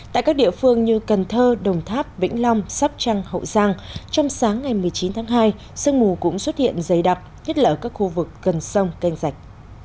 tại các địa phương như cần thơ đồng tháp vĩnh long sóc trăng hậu giang trong sáng ngày một mươi chín tháng hai sương mù cũng xuất hiện dày đặc nhất là ở các khu vực gần sông canh rạch